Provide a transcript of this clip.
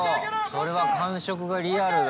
それは感触がリアルだ。